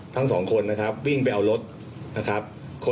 ทั้งสองคนนะครับวิ่งไปเอารถนะครับ